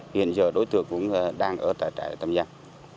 hiện giờ đối tượng cũng đang ở tại trại tâm giang